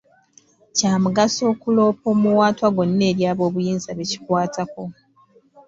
Kya mugaso okuloopa omuwaatwa gwonna eri aboobuyinza be kikwatako.